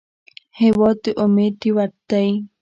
هېواد د امید ډیوټ دی.